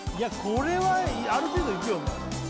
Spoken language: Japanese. これはある程度いくよ